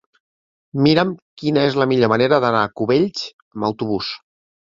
Mira'm quina és la millor manera d'anar a Cubells amb autobús.